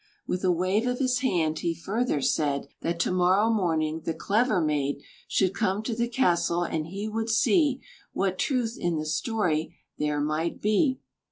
With a wave of his hand, he further said That to morrow morning the clever maid Should come to the castle, and he would see What truth in the story there might be.